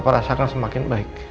papa rasakan semakin baik